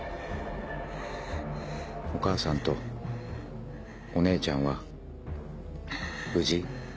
お母さんとお姉ちゃんは無事？